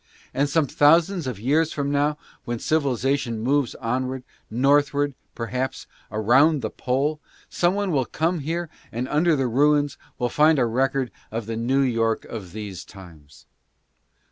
And some thousands of years from now, when civilization moves onward — northward, perhaps, around the Pole — some body will come there and, under the ruins, will find a record of the New York of these times.